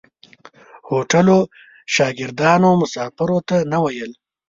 هوټلو شاګردانو مسافرو ته نه ویل.